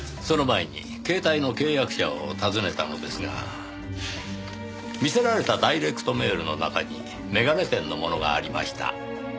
その前に携帯の契約者を訪ねたのですが見せられたダイレクトメールの中に眼鏡店のものがありました。